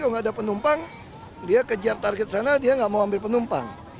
kalau nggak ada penumpang dia kejar target sana dia nggak mau ambil penumpang